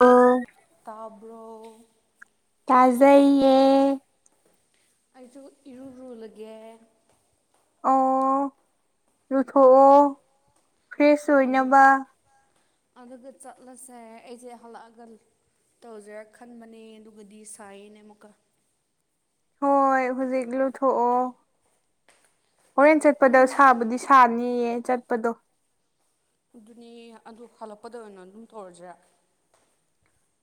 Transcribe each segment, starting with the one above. ꯑꯣ ꯇꯥꯕ꯭ꯔꯣ ꯇꯥꯖꯩꯌꯦ ꯑꯩꯁꯨ ꯏꯔꯨꯨꯔꯨꯂꯒꯦ ꯑꯣ ꯂꯨꯊꯣꯛꯑꯣ ꯐ꯭ꯔꯦꯁ ꯑꯗꯨ ꯑꯣꯏꯅꯕ ꯑꯗꯨꯒ ꯆꯠꯂꯁꯦ ꯑꯩꯁꯦ ꯍꯜꯂꯛꯑꯒ ꯇꯧꯖꯔꯥ ꯈꯟꯕꯅꯦ ꯑꯗꯨꯒꯗꯤ ꯁꯥꯏꯌꯦꯅꯦ ꯑꯃꯨꯛꯀ ꯍꯣꯏ ꯍꯧꯖꯤꯛ ꯂꯧꯨꯊꯣꯛꯑꯣ ꯑꯣꯣꯔꯦꯟ ꯆꯠꯄꯗ ꯁꯥꯕꯨꯗꯤ ꯁꯥꯅꯤꯌꯦ ꯆꯠꯄꯗꯣ ꯑꯗꯨꯅꯦ ꯑꯗꯨ ꯍꯜꯂꯛꯄꯗ ꯑꯣꯏꯅ ꯑꯗꯨꯝ ꯇꯧꯔꯁꯤꯔꯥ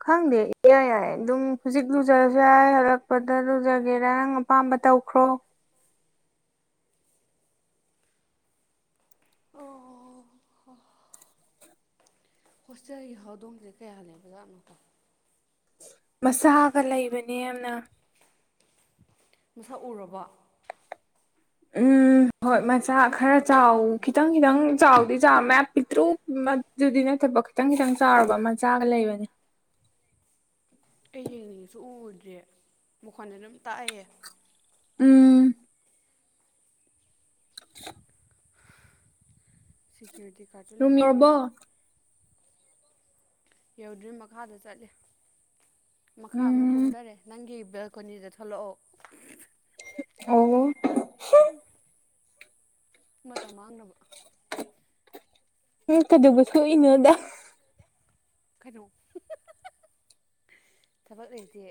ꯈꯪꯗꯦ ꯏꯏ ꯌꯥꯏ ꯑꯗꯨꯝ ꯍꯧꯖꯤꯛ ꯂꯨꯖꯔꯁꯨ ꯌꯥꯏ ꯍꯜꯂꯛꯄꯗ ꯂꯨꯖꯒꯦꯔꯥ ꯅꯪ ꯑꯄꯥꯝꯕ ꯇꯧꯈ꯭ꯔꯣ ꯑꯣ ꯑꯣ ꯍꯣꯁꯇꯦꯜꯒꯤ ꯍꯧꯔꯗꯣꯡꯁꯦ ꯀꯌꯥ ꯂꯩꯕꯖꯥꯠꯅꯣꯀꯣ ꯃꯁꯥꯒ ꯂꯩꯕꯅꯤ ꯌꯥꯝꯅ ꯃꯁꯛ ꯎꯔꯕ ꯎꯝ ꯍꯣꯏ ꯃꯆꯥ ꯈꯔ ꯆꯥꯎ ꯈꯤꯇꯪ ꯈꯤꯇꯪ ꯆꯥꯎꯗꯤ ꯆꯥꯎ ꯃꯌꯥꯝ ꯄꯤꯠꯇ꯭ꯔꯨ ꯑꯗꯨꯗꯤ ꯅꯠꯇꯧ ꯊꯐꯥꯎ ꯈꯤꯇꯪ ꯈꯤꯇꯪ ꯆꯥꯎꯔꯕ ꯑꯃꯆꯥꯒ ꯂꯩꯕꯅꯦ ꯑꯩ ꯌꯦꯡꯅꯤꯡꯉꯁꯨ ꯎꯔꯗ꯭ꯔꯦ ꯃꯈꯣꯟꯗ ꯑꯗꯨꯝ ꯇꯥꯛꯑꯦ ꯎꯝ [inaudible] ꯁꯦꯀ꯭ꯌꯔꯤꯇꯤ ꯀꯔꯁꯨ ꯔꯨꯝ ꯌꯧꯔꯕꯣ ꯂꯦꯍꯥꯎꯗꯅꯦ ꯌꯧꯗ꯭ꯔꯤ ꯃꯈꯥꯗ ꯆꯠꯂꯦ ꯃꯈꯥ ꯑꯃꯨꯛ ꯎꯝ ꯀꯨꯝꯊꯔꯦ ꯅꯪꯒꯤ ꯕꯦꯜ ꯀꯣꯅꯤꯖ ꯊꯣꯛꯂꯛꯑꯣ ꯑ ꯃꯇꯝ ꯃꯥꯡꯅꯕ ꯎꯝ ꯀꯗꯒꯁꯨꯅꯗ ꯈꯔꯣ ꯊꯕꯛ ꯂꯩꯇꯦ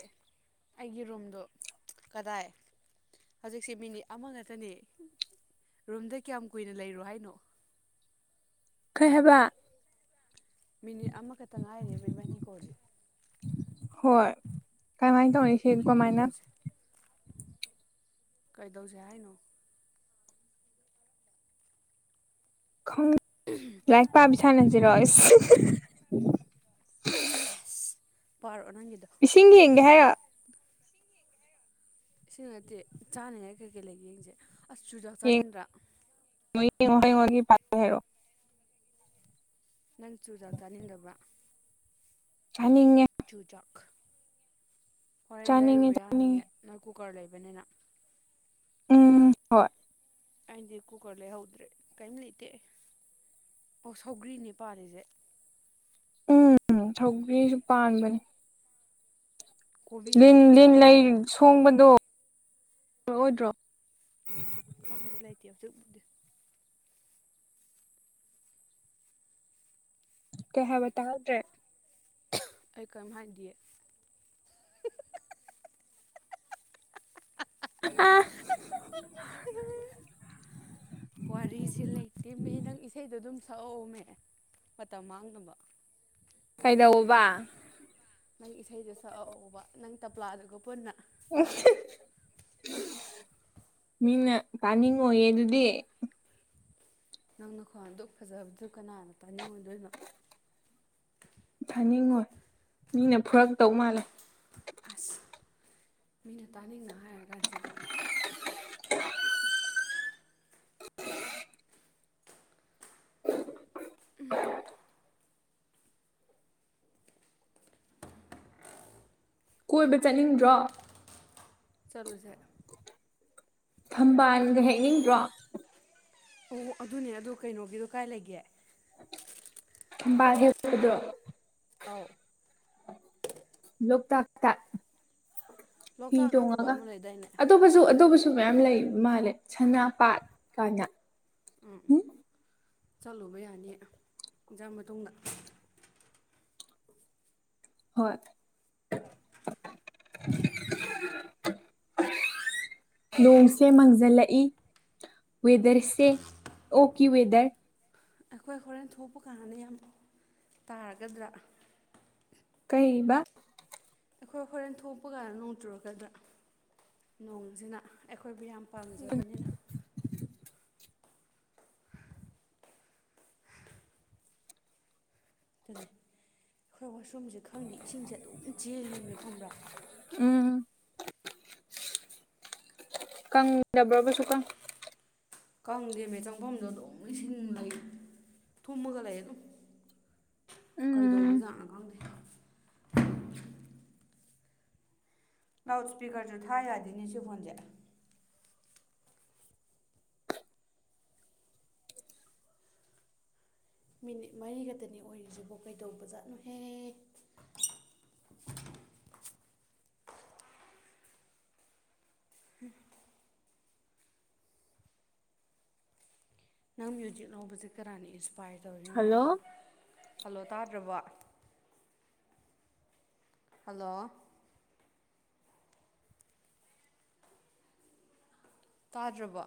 ꯑꯩꯒꯤ ꯔꯨꯝꯗꯣ ꯀꯗꯥꯏ ꯍꯧꯖꯤꯛꯁꯦ ꯃꯤꯅꯤꯠ ꯑꯃꯈꯛꯇꯅꯦ ꯔꯨꯝꯗ ꯀꯌꯥꯝ ꯀꯨꯏꯅ ꯂꯩꯔꯣ ꯍꯥꯏꯅꯣ ꯈꯩ ꯍꯥꯏꯕ ꯃꯤꯅꯤꯠ ꯑꯃꯈꯛꯇ ꯉꯥꯏꯔꯤꯏꯕꯥꯅꯤ ꯀꯣꯜꯂꯤ ꯍꯣꯏ ꯀꯃꯥꯏꯅ ꯇꯧꯔꯤꯁꯦ ꯀꯃꯥꯏꯅ ꯀꯩꯗꯧꯁꯦ ꯀꯩꯗꯧꯁꯦ ꯍꯥꯏꯅ ꯈꯣꯡ ꯂꯥꯏꯛ ꯄꯥꯕꯤꯚꯤꯁꯥꯅꯖꯔꯣꯏ [unintelligible] ꯁꯤꯒꯤ ꯌꯦꯒꯦ ꯍꯥꯏ ꯁꯤ ꯅꯠꯇꯦ ꯆꯥꯅꯤꯡꯉꯥꯏ ꯀꯩ ꯀꯩ ꯂꯩꯒ ꯌꯦꯡꯁꯦ ꯑꯁ ꯆꯨꯖꯥꯛ ꯌꯦꯡꯉꯣ ꯆꯥꯅꯤꯡꯗ꯭ꯔꯥ [unintelligible] ꯅꯟ ꯆꯨ ꯗꯥꯛꯇꯅꯤꯟꯕ ꯑꯅꯤꯡ ꯆꯨꯖꯥꯛ ꯍꯣꯔꯦꯟ ꯆꯥꯅꯤꯡꯉꯦ ꯂꯩꯔꯨꯕ ꯌꯥꯅꯤꯌꯦ ꯆꯥꯅꯤꯡꯉꯦ ꯅꯪ ꯀꯨꯀꯔ ꯂꯩꯕꯅꯤꯅ ꯎꯝ ꯍꯣꯏ ꯑꯗꯤ ꯀꯨꯀꯂꯦ ꯍ ꯍꯧꯗ꯭ꯔꯦ ꯀꯩꯝ ꯂꯩꯇꯦ ꯑꯣ ꯁꯧꯒ꯭ꯔꯤꯅꯦ ꯄꯥꯔꯤꯁꯦ ꯎꯝ ꯁꯧꯒꯔꯤꯁꯨ ꯄꯥꯟꯕꯅꯦ ꯀꯣꯕꯤꯁꯨ ꯂꯤꯟ ꯃꯆꯥ ꯂꯤꯟ ꯂꯩ ꯃꯆꯥꯗ ꯁꯣꯡꯕꯗꯣꯛꯑꯣꯏꯗ꯭ꯔꯣ ꯀꯪꯗ ꯂꯥꯏꯇ ꯌꯥꯁꯨ ꯀꯑꯩ ꯍꯥꯏꯕ ꯇꯥꯗ꯭ꯔꯦ ꯑꯩ ꯀꯣꯏꯝ ꯍꯥꯏꯗꯤ ꯑ ꯋꯥꯔꯤꯁꯤ ꯂꯩꯇꯦꯃꯦ ꯅꯪ ꯏꯁꯩꯗ ꯑꯗꯨꯝ ꯁ ꯊꯃꯦ ꯃꯇꯝ ꯃꯥꯡꯅꯕ ꯀꯩꯗꯧꯕ ꯅꯪ ꯏꯁꯩꯗꯨ ꯁꯛꯑꯑꯣꯕ ꯅꯪ ꯇꯞꯂꯥꯗꯨꯒ ꯄꯨꯟꯅ ꯎ ꯃꯤꯅ ꯀꯥꯅꯤꯡꯉꯣꯏꯌꯦ ꯑꯗꯨꯗꯤ ꯅꯪꯅ ꯈ꯭ꯋꯥ ꯑꯗꯨꯣꯛ ꯐꯖꯕꯗꯨ ꯀꯅꯥꯅ ꯄꯥꯅꯤꯡꯉꯣꯏꯗꯣꯏꯅꯣ ꯆꯥꯅꯤꯡꯉꯣꯏ ꯃꯤꯅ ꯐꯨꯔꯛꯇꯧ ꯃꯥꯜꯂꯦ ꯑꯁ ꯃꯤꯅ ꯇꯥꯅꯤꯡꯅ ꯍꯥꯏꯔ ꯀꯥꯟꯁꯤꯗ ꯎꯝ ꯀꯣꯏꯕ ꯆꯠꯅꯤꯡꯗ꯭ꯔꯣ ꯆꯠꯂꯨꯁꯦ ꯊꯝꯕꯥꯜꯒ ꯍꯥꯏꯅꯤꯡꯗ꯭ꯔꯣ ꯑꯣ ꯑꯗꯨꯅꯦ ꯑꯗꯨ ꯀꯩꯅꯣꯒꯤꯗꯣ ꯀꯥꯏ ꯂꯩꯒꯦ [unintelligible] ꯑ ꯂꯣꯛꯊꯥꯛꯇ ꯍꯤ ꯂꯣꯛꯇꯥꯛ ꯅꯠꯇꯕ ꯇꯣꯡꯉꯒ ꯑꯃ ꯂꯩꯗꯥꯏꯅꯦ ꯑꯣꯞꯄꯁꯨ ꯑꯗꯨꯁꯨ ꯑꯗꯨ ꯃꯌꯥꯝ ꯂꯩꯕ ꯃꯜꯂꯦ ꯁꯅꯥꯄꯥꯥꯠ ꯀꯅ ꯎꯝ ꯆꯠꯂꯨꯕ ꯌꯥꯅꯤ ꯏꯟꯁꯥꯡ ꯃꯇꯨꯡꯗ ꯍꯣꯏ [inaudible] ꯅꯣꯡꯁꯦ ꯃꯥꯡꯁꯤꯜꯂꯛꯏ ꯋꯦꯗꯔꯁꯦ ꯑꯣꯀꯤ ꯋꯦꯗꯔ ꯑꯩꯈꯣꯏ ꯍꯣꯔꯦꯟ ꯊꯣꯛꯄ ꯀꯥꯟꯗ ꯌꯥꯝ ꯇꯥꯔꯒꯗ꯭ꯔꯥ ꯀꯩꯕ ꯑꯩꯈꯣꯏ ꯍꯣꯔꯦꯟ ꯊꯣꯛꯄ ꯀꯥꯟꯗ ꯅꯣꯡ ꯆꯨꯔꯛꯀꯗ꯭ꯔꯥ ꯅꯣꯡꯁꯤꯅ ꯑꯩꯈꯣꯏꯕꯨ ꯌꯥꯝ ꯄꯥꯝꯖꯕꯅꯤꯅ ꯑꯩꯈꯣꯏ ꯋꯥꯁꯔꯨꯝꯁꯦ ꯈꯪꯗꯦ ꯏꯁꯤꯡꯁꯦ ꯑꯗꯨꯝ ꯆꯦꯜꯂꯦꯝꯃꯦ ꯈꯪꯕ꯭ꯔꯥ ꯎꯝ ꯀꯪꯗꯕ꯭ꯔꯕꯁꯨ ꯀ ꯀꯪꯗꯦꯕ ꯆꯪꯐꯝꯗꯣ ꯑꯗꯨꯝ ꯏꯁꯤꯡ ꯂꯩ ꯊꯨꯝꯃꯒ ꯂꯩ ꯑꯗꯨꯝ ꯎꯝ ꯀꯩꯗꯧꯕꯖꯥꯠꯅꯣ ꯈꯪꯗꯦ ꯂꯥꯎꯠ ꯏꯁꯄꯤꯀꯔꯁꯨ ꯊꯥ ꯌꯥꯗꯣꯏꯅꯦ ꯁꯤ ꯐꯣꯟꯁꯦ ꯃꯤꯅꯤꯠ ꯃꯔꯤ ꯈꯛꯇꯅꯤ ꯑꯣꯏꯔꯤꯁꯤꯕꯣ ꯀꯩꯗꯧꯕꯖꯥꯠꯅꯣꯍꯦ [inaudible] ꯎꯝ ꯅꯪ ꯃ꯭ꯌꯨꯖꯤꯛ ꯂꯧꯕꯁꯦ ꯀꯅꯥꯅ ꯏꯟꯁꯄꯥꯏꯌꯔ ꯇꯧꯔꯤꯅꯣ ꯍꯜꯂꯣ ꯅꯪꯕꯨ ꯍꯜꯂꯣ ꯇꯥꯗ꯭ꯔꯕ ꯍꯜꯂꯣ ꯇꯥꯗ꯭ꯔꯕ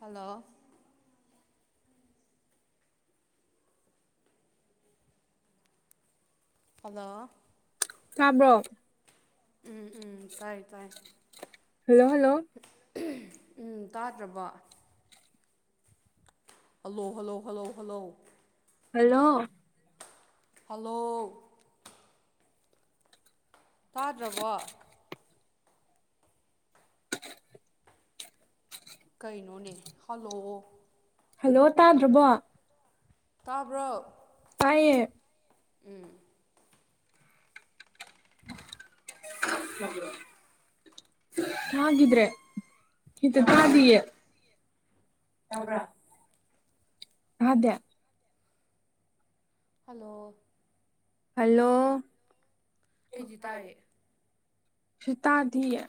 ꯍꯜꯂꯣ ꯍꯜꯂꯣ ꯇꯥꯕ꯭ꯔꯣ ꯎꯝ ꯎꯝ ꯇꯥꯏ ꯇꯥꯏ ꯍꯜꯂꯣ ꯍꯜꯂꯣ ꯎꯝ ꯇꯥꯗ꯭ꯔꯕ hello hello hello hello hello hello ꯇꯥꯗ꯭ꯔꯕꯣ ꯀꯩꯅꯣꯅꯦ ꯍꯜꯂꯣ ꯍꯜꯂꯣ ꯇꯥꯗ꯭ꯔꯕꯣ ꯇꯥꯕ꯭ꯔꯣ ꯑꯌꯦꯡ ꯎꯝ ꯇꯥꯕ꯭ꯔꯣ ꯍꯒꯗ꯭ꯔꯦ ꯍꯇ ꯇꯥꯕ꯭ꯔꯥ ꯊꯥꯗꯤꯌꯦ ꯇꯧ꯭ꯔꯥ ꯇꯥꯕ꯭ꯔꯥ ꯑꯗꯦ ꯍꯜꯂꯣ ꯍꯂꯣ ꯑꯩꯗꯤ ꯇꯥꯏꯌꯦ ꯁꯤꯇꯥꯗꯌꯦ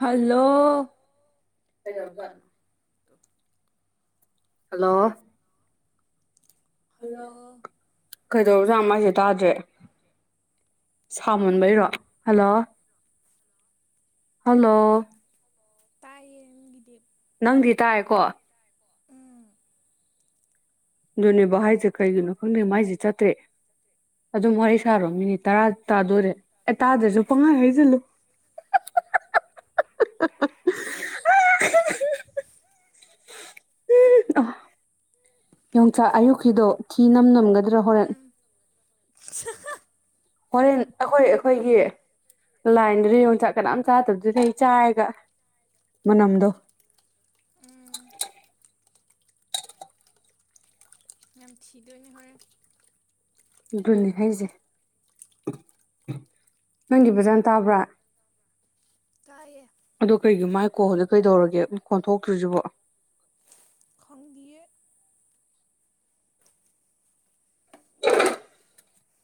ꯍꯜꯂꯣ ꯀꯩꯗꯧꯔꯕꯖꯥꯠꯅꯣ ꯍꯜꯂꯣ ꯍꯜꯂꯣ ꯀꯩꯗꯧꯁꯥ ꯃꯥꯁꯦ ꯇꯥꯗ꯭ꯔꯦ ꯁꯥꯃꯨꯟꯕꯩꯔꯣ ꯍꯜꯂꯣ ꯍꯜꯂꯣ ꯇꯥꯏꯌꯦꯟꯒꯤꯗꯤꯞ ꯅꯪꯗꯤ ꯇꯥꯔꯦꯀꯣ ꯑꯗꯨꯗꯨꯅꯦꯕꯍ ꯍꯥꯏꯁꯦ ꯀꯩꯒꯤꯅꯣ ꯈꯪꯗꯦ ꯃꯥꯏꯁꯦ ꯆꯠꯇ꯭ꯔꯦ ꯑꯗꯨꯝ ꯋꯥꯔꯤ ꯁꯥꯔꯣ ꯃꯤꯅꯤꯠ ꯇꯔꯥ ꯇꯥꯗꯣꯏꯔꯦ ꯑꯦ ꯇꯥꯗ꯭ꯔꯁꯨ ꯄꯪꯉꯥ ꯍꯥꯏꯁꯤꯜꯂꯨ [unintelligible] [unintelligible] [unintelligible] ꯎꯝ ꯑ ꯌꯣꯡꯆꯥꯛ ꯑꯌꯨꯛꯀꯤꯗꯣ ꯊꯤ ꯅꯝ ꯅꯝꯒꯗ꯭ꯔꯥ ꯍꯣꯔꯦꯟ ꯍꯣꯔꯦꯟ ꯑꯩꯈꯣꯏ ꯑꯩꯈꯣꯏꯒꯤ ꯂꯥꯏꯗ꯭ꯔꯦ ꯑꯣꯟꯆꯥꯛ ꯀꯅꯥꯝ ꯆꯥꯗꯕꯗꯨꯔꯦ ꯆꯥꯏꯒ ꯃꯅꯝꯗ ꯎꯝ ꯌꯥꯝ ꯊꯤꯗꯣꯏꯅꯦ ꯍꯔꯦ ꯑꯗꯨꯅꯤ ꯍꯥꯏꯁꯦ ꯅꯪꯒꯤ ꯐꯖꯥꯅ ꯇꯥꯕ꯭ꯔꯥ ꯀꯥꯏꯌꯦ ꯑꯗꯣ ꯀꯩꯒꯤ ꯃꯥꯏ ꯀꯣ ꯍꯧꯖꯤꯛ ꯀꯩꯗꯧꯔꯒꯦ ꯈꯣꯟꯊꯣꯛꯇ꯭ꯔꯤꯁꯤꯕꯣ ꯈꯪꯒ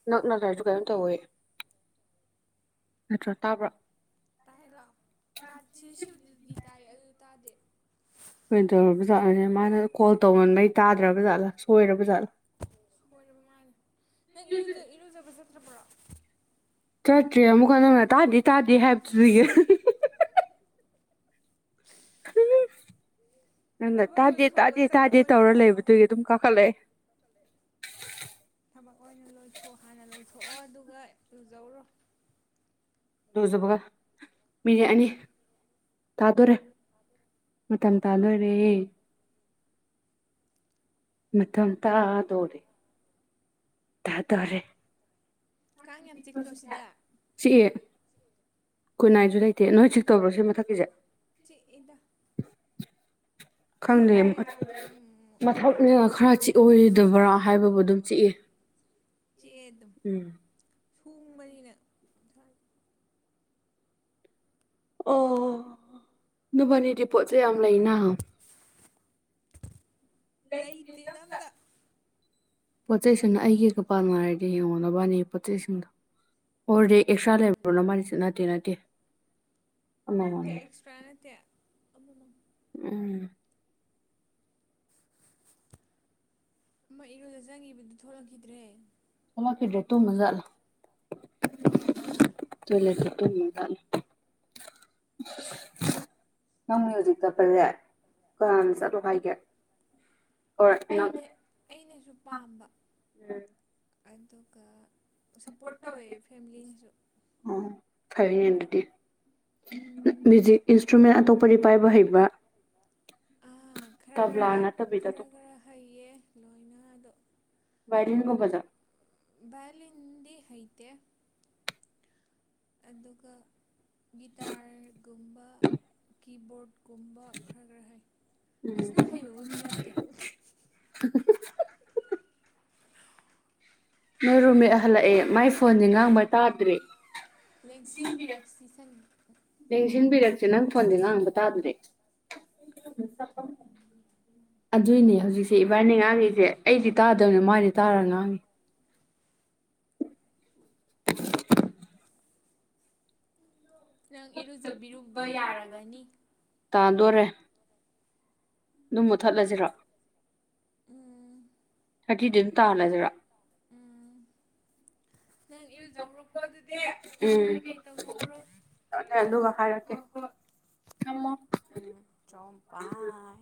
ꯅꯛ ꯅꯁꯨ ꯅꯛꯂꯒꯁꯨ ꯀꯩꯅꯝ ꯀꯩꯅꯣ ꯇꯧꯋꯦ ꯅꯠꯇ꯭ꯔꯥ ꯇꯥꯕ꯭ꯔꯥ ꯇꯥꯏꯣ ꯇꯥ ꯁꯤꯗꯤ ꯇꯥꯏ ꯑꯗꯨ ꯇꯥꯗꯦ ꯀꯩ ꯇꯧꯔꯕꯖꯥꯠꯂꯣꯅꯦ ꯃꯥꯅ ꯀꯣꯜ ꯇꯧꯃꯟꯕꯩ ꯇꯥꯗ꯭ꯔꯕ ꯖꯠꯂꯥ ꯁꯣꯏꯔꯕ ꯖꯥꯠꯂꯥ ꯁꯣꯏꯔꯕ ꯃꯥꯂ ꯅꯪ ꯏꯔꯨꯖꯕ ꯆꯠꯇ꯭ꯔꯕ꯭ꯔꯣ ꯆꯠꯇ꯭ꯔꯤ ꯑꯃꯨꯛꯀ ꯅꯧꯅ ꯇꯥꯗꯤꯦ ꯇꯥꯗꯦ ꯍꯥꯏꯕꯗꯨꯒꯤ ꯎ ꯅꯪꯅ ꯇꯥꯗꯦ ꯇꯥꯗꯦ ꯆꯠꯂ ꯇꯥꯗꯦ ꯑꯣꯏꯅ ꯇꯧꯔ ꯆꯠꯂꯣ ꯂꯩꯕꯗꯨꯒꯤ ꯑꯗꯨꯝ ꯀꯥꯈꯠꯂꯛꯑꯦ [unintelligible] ꯊꯕꯛ ꯑꯣꯏꯅ ꯂꯣꯏꯊꯣꯛꯑꯣ ꯍꯥꯟꯅ ꯂꯣꯏꯊꯣꯛꯑꯣ ꯑꯗꯨꯒ ꯂꯨꯖꯧꯔꯣ ꯂꯨꯖꯕꯒ ꯃꯤꯅꯤꯠ ꯑꯅꯤ ꯇꯥꯗꯣꯔꯦ ꯃꯇꯝ ꯇꯂꯔꯦ ꯃꯊꯪ ꯇꯥꯗꯣꯔꯦ ꯇꯥꯗꯔꯦ ꯀꯥꯡ ꯌꯥꯝ ꯆꯤꯛꯇ꯭ꯔꯣ ꯁꯤꯗ ꯆꯠ ꯀꯣꯏ ꯅꯥꯏꯁꯨ ꯂꯩꯇꯦ ꯅꯣꯏ ꯆꯤꯛ ꯇꯧꯕ꯭ꯔꯣ ꯁꯤ ꯃꯊꯛꯀꯤꯁꯦ ꯆꯤꯛꯏꯗ ꯈꯪꯗꯦ ꯒꯨꯗ ꯅꯥꯏꯠ ꯊꯥꯗꯣꯛꯑꯦ ꯑꯃꯨꯛ ꯃꯊꯛꯅꯦ ꯈꯔ ꯆꯤꯛꯑꯣꯏꯗꯕ꯭ꯔꯥ ꯍꯥꯏꯕꯕꯨ ꯑꯗꯨꯝ ꯆꯤꯛꯑꯦ ꯆꯦ ꯑꯗꯨꯝ ꯎꯝ ꯁꯣꯡꯕꯅꯤꯅ ꯊ ꯑꯣ ꯑꯗꯨꯚꯅꯤ ꯔꯤꯄꯣꯠꯁꯦ ꯌꯥꯝ ꯂꯩꯅ ꯂꯩꯇꯦꯅ ꯑꯝꯇ ꯄꯣꯠ ꯆꯩꯁꯤꯡꯅ ꯑꯩꯒꯤꯒꯄꯥꯟ ꯍꯥꯏꯔꯗꯤ ꯌꯦꯡꯉꯣꯅꯕꯅꯤ ꯄꯣꯠ ꯆꯩꯁꯤꯡꯗꯣ ꯍꯔꯗꯤ ꯑꯦꯛꯁꯇ꯭ꯔꯥ ꯂꯩꯕ꯭ꯔꯣꯅ ꯃꯔꯤꯁꯨ ꯅꯠꯇꯦ ꯅꯠꯇꯦ ꯅꯠꯇꯦ ꯑꯃꯃꯝꯅꯤ ꯑꯦꯛꯁꯇ꯭ꯔꯥ ꯅꯠꯇꯦ ꯑꯃꯃꯝ ꯎꯝ ꯑꯃ ꯏꯔꯣꯏꯗ ꯆꯪꯉꯤꯕꯗꯨ ꯊꯣꯛꯂꯛꯈꯤꯗ꯭ꯔꯦ ꯊꯃꯀꯤꯗꯦ ꯇ ꯃꯖꯜ ꯇꯨꯝꯈ꯭ꯔ ꯃꯥꯜꯂꯦ ꯆꯂꯦꯁꯤꯠꯇ ꯃꯒꯜ [unintelligible] ꯅꯪꯒꯤ ꯍꯧꯖꯤꯛꯛꯇꯄꯜꯂꯦ ꯀꯅꯥꯅ ꯆꯠꯂꯣ ꯍꯥꯏꯒꯦ ꯑꯣꯔ ꯅꯪ ꯑꯩꯅ ꯑꯩꯅꯁꯨ ꯄꯥꯝꯕ ꯑꯗꯨꯒ ꯁꯞꯄꯣꯔꯠ ꯇꯧꯋꯦ ꯐꯦꯃꯤꯂꯤꯒꯤꯁꯨ ꯀꯩꯗꯤ ꯃ꯭ꯌꯨꯖꯤꯛ ꯏꯟꯁꯇ꯭ꯔꯨꯃꯦꯟ ꯑꯇꯣꯞꯄꯗꯤ ꯄꯥꯏꯕ ꯍꯩꯕ꯭ꯔꯥ ꯑ ꯈꯔ ꯇꯕ꯭ꯂꯥ ꯈꯔ ꯅꯠꯇꯕꯤꯗ ꯈꯔ ꯑꯇꯣꯞꯄ ꯈꯔ ꯍꯩꯌꯦ ꯂꯣꯏꯅ ꯑꯗꯨꯣ ꯚꯥꯏꯂꯤꯟꯒꯨꯝꯕꯗꯣ ꯚꯥꯏꯂꯤꯟꯗꯤ ꯍꯩ ꯇꯦ ꯑꯗꯨꯒ ꯒꯤꯇꯥꯔꯒꯨꯝꯕ ꯀꯤꯕꯣ꯭ꯔꯛ ꯀꯨꯝꯕ ꯈꯔ ꯉ ꯍꯩ ꯎꯝ ꯐꯖꯅ ꯍꯩꯕꯕꯨꯗꯤ ꯅꯠꯇꯦ ꯅꯣꯏ ꯔꯨꯝꯃꯦꯠ ꯍꯜꯂꯛꯑꯦ ꯃꯥꯏ ꯐꯣꯟꯗꯤ ꯉꯥꯡꯕ ꯇꯥꯗꯔꯦ ꯂꯦꯡꯁꯤꯟꯕꯤꯔꯛꯁꯤ ꯁꯟ ꯂꯦꯡꯁꯤꯟꯕꯤꯔꯛꯁꯦ ꯅꯪ ꯐꯣꯟꯗꯤ ꯉꯥꯡꯕ ꯇꯥꯗꯔꯦ ꯑꯗꯨꯏꯅꯦ ꯍꯧꯖꯤꯛꯁꯦ ꯏꯕꯥꯅꯤ ꯉꯥꯡꯉꯤꯖꯦ ꯑꯩꯗꯤ ꯇꯥꯗꯕꯅꯦ ꯃꯥꯗꯤ ꯇꯥꯔ ꯉꯥꯡꯉꯤ ꯅꯪ ꯏꯔꯨꯖꯕꯤꯔꯨꯕ ꯌꯥꯔꯒꯅꯤ ꯇꯥꯗꯣꯔꯦ ꯑꯗꯨꯝ ꯃꯨꯠꯊꯠꯂꯖꯤꯔꯣ ꯎꯝ ꯑꯇꯤꯗꯪ ꯇꯥꯜꯂꯖꯤꯔꫭ ꯎꯝ ꯅꯪ ꯏꯔꯨꯖꯧꯔꯣꯀꯣ ꯑꯗꯨꯗꯤ ꯅꯪ ꯀꯩꯀꯩ ꯇꯧꯊꯣꯛꯎꯔꯣ ꯇꯞꯅꯥ ꯑꯗꯨꯒ ꯍꯥꯏꯔꯛꯀꯦ ꯑꯃ ꯊꯝꯃꯦ ꯎꯝ ꯆꫭꯝꯄꯥꯏ